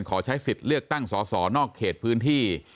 ขอใช้สิทธิ์เลือกตั้งสอสอนอกเขตพื้นที่